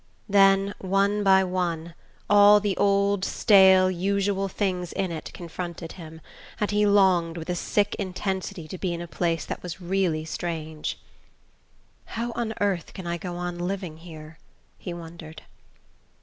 Then, one by one, all the old stale usual things in it confronted him, and he longed with a sick intensity to be in a place that was really strange. "How on earth can I go on living here?" he wondered.